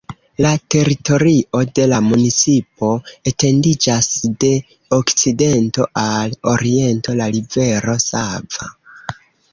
La teritorio de la municipo etendiĝas de okcidento al oriento la rivero Sava.